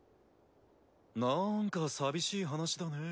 なんか寂しい話だねぇ。